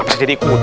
lari di tempat